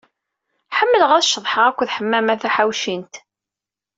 Ḥemmleɣ ad ceḍḥeɣ akked Ḥemmama Taḥawcint.